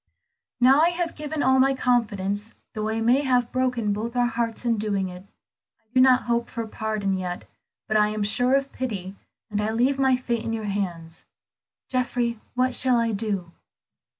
"Now I have given all my confidence though I may have broken both our hearts in doing it. I do not hope for pardon yet, but I am sure of pity, and I leave my fate in your hands. Geoffrey, what shall I do?"